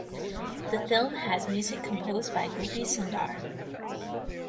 The film has music composed by Gopi Sundar.